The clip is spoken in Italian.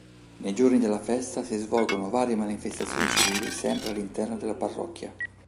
Nei giorni della festa si svolgono varie manifestazioni civili sempre all'interno della Parrocchia.